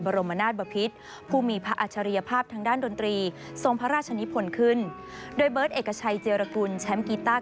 รมนาศบพิษผู้มีพระอัจฉริยภาพทางด้านดนตรีทรงพระราชนิพลขึ้นโดยเบิร์ตเอกชัยเจรกุลแชมป์กีต้า